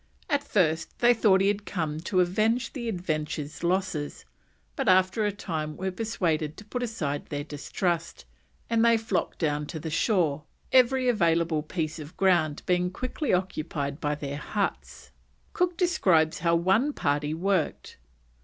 At first they thought he had come to avenge the Adventure's losses, but after a time were persuaded to put aside their distrust, and they flocked down to the shore, every available piece of ground being quickly occupied by their huts. Cook describes how one party worked.